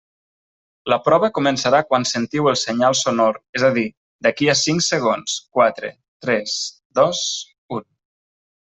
La prova començarà quan sentiu el senyal sonor, és a dir, d'aquí a cinc segons, quatre, tres, dos, un.